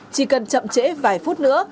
chỉ cần chậm trễ vài phút nữa